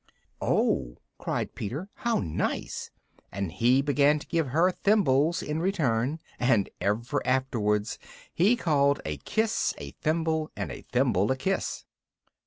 ] "Oh!" cried Peter, "how nice!" and he began to give her thimbles in return, and ever afterwards he called a kiss a thimble, and a thimble a kiss.